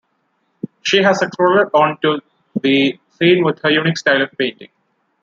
She has exploded onto the scene with her unique style of painting.